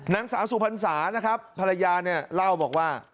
นางสาสุพรรณสานะครับภรรยาเล่าว่า